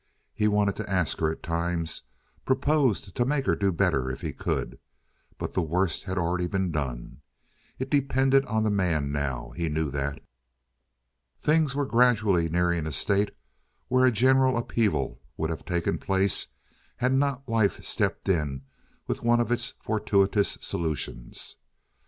He wanted to ask her at times—proposed to make her do better if he could—but the worst had already been done. It depended on the man now, he knew that. Things were gradually nearing a state where a general upheaval would have taken place had not life stepped in with one of its fortuitous solutions.